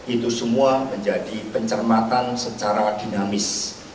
itu semua menjadi pencermatan secara dinamis